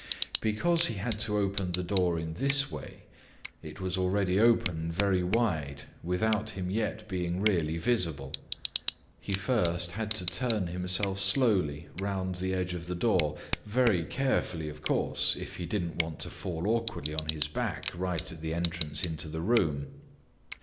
Because he had to open the door in this way, it was already open very wide without him yet being really visible. He first had to turn himself slowly around the edge of the door, very carefully, of course, if he didn't want to fall awkwardly on his back right at the entrance into the room.